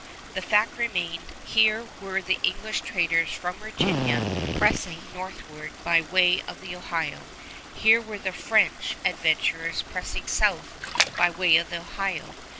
The fact remained: here were the English traders from Virginia pressing northward by way of the Ohio; here were the French adventurers pressing south by way of the Ohio.